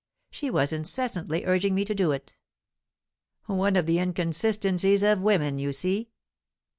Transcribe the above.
She was incessantly urging me to it. One of the inconsistencies of women, you see."